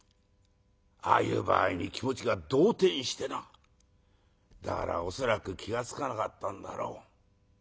ああいう場合に気持ちが動転してなだから恐らく気が付かなかったんだろう。